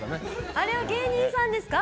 あれは芸人さんですか？